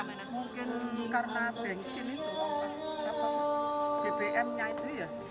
mungkin karena bensin itu bbmnya itu ya